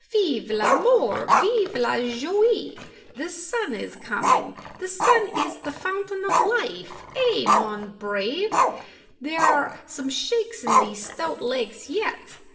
Vive l'amour! vive la joie! The sun is coming the sun is the fountain of life ay, mon brave, there are some shakes in these stout legs yet!"